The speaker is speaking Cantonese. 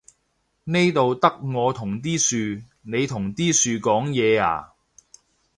呢度得我同啲樹，你同啲樹講嘢呀？